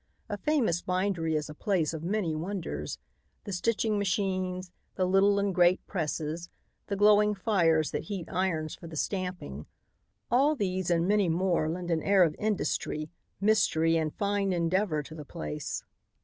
A famous bindery is a place of many wonders. The stitching machines, the little and great presses, the glowing fires that heat irons for the stamping, all these and many more lend an air of industry, mystery and fine endeavor to the place.